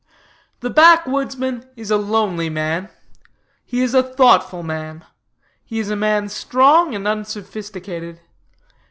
"'The backwoodsman is a lonely man. He is a thoughtful man. He is a man strong and unsophisticated.